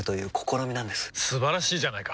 素晴らしいじゃないか！